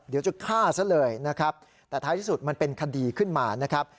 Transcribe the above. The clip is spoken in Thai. เดี๋ยวจะฆ่าซะเลยนะครับแต่ท้ายที่สุดมันเป็นคดีขึ้นมานะครับ